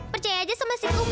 percaya aja sama si kumkum